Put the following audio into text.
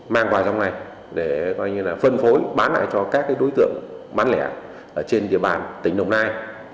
mang vào trong này để phân phối bán lại cho các đối tượng bán lẻ trên địa bàn tỉnh đồng nai